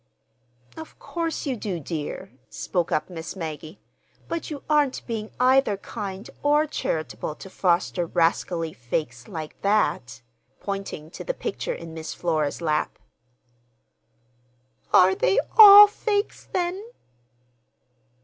"Of course you do, dear," spoke up Miss Maggie. "But you aren't being either kind or charitable to foster rascally fakes like that," pointing to the picture in Miss Flora's lap. "Are they all fakes, then?"